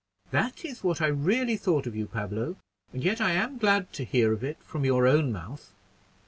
"That is what I really thought of you, Pablo, and yet I am glad to hear it from your own mouth.